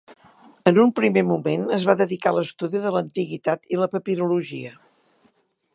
En un primer moment es va dedicar a l'estudi de l'antiguitat i la papirologia.